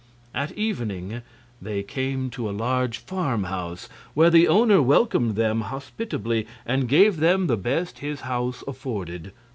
At evening they came to a large farmhouse, where the owner welcomed them hospitably and gave them the best his house afforded.